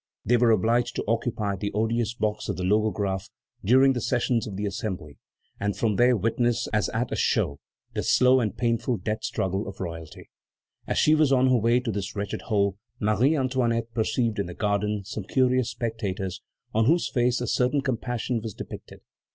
They were obliged to occupy the odious box of the Logographe during the sessions of the Assembly, and from there witness, as at a show, the slow and painful death struggle of royalty. As she was on her way to this wretched hole, Marie Antoinette perceived in the garden some curious spectators on whose faces a certain compassion was depicted.